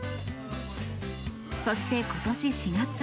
そして、ことし４月。